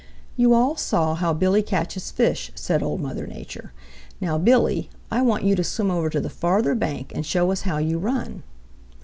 "You all saw how Billy catches fish," said Old Mother Nature. "Now, Billy, I want you to swim over to the farther bank and show us how you run."